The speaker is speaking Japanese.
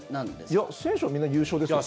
いや、選手はみんな優勝ですよね。